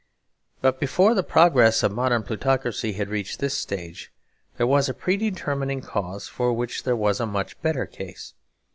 But before the progress of modern plutocracy had reached this stage, there was a predetermining cause for which there was a much better case.